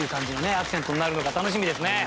アクセントになるのか楽しみですね。